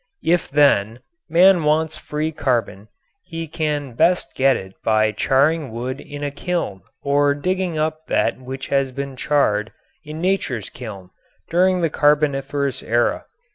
If, then, man wants free carbon he can best get it by charring wood in a kiln or digging up that which has been charred in nature's kiln during the Carboniferous Era.